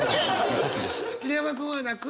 桐山君は泣く？